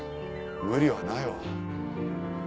無理はないわ。